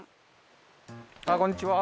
あっこんにちは。